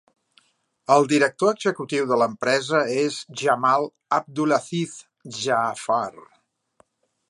El director executiu de l'empresa és Jamal Abdulaziz Jaafar.